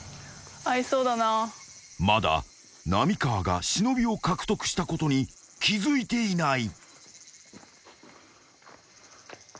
［まだ浪川が忍を獲得したことに気付いていない］